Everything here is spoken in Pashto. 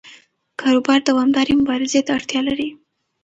کاروبار دوامدارې مبارزې ته اړتیا لري.